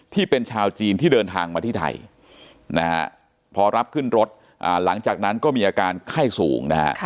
ที่เป็นชาวจีนที่เดินทางมาที่ไทยนะฮะพอรับขึ้นรถหลังจากนั้นก็มีอาการไข้สูงนะฮะ